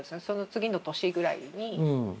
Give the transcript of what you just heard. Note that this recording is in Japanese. その次の年ぐらいに。